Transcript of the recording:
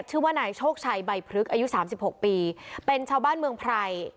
ชื่อว่านายโชคชัยใบพลึกอายุสามสิบหกปีเป็นชาวบ้านเมืองไพร